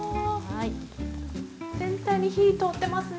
全体に火通ってますね。